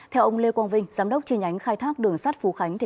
theo ông lê quang vinh giám đốc tri nhánh khai thác đường sắt phú khánh